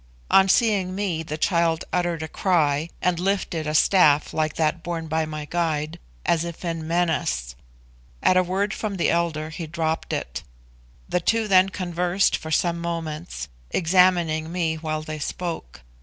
On seeing me the child uttered a cry, and lifted a staff like that borne by my guide, as if in menace. At a word from the elder he dropped it. The two then conversed for some moments, examining me while they spoke.